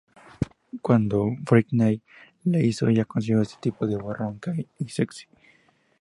Cuando Britney lo hizo, ella consiguió este tipo de voz ronca y sexy".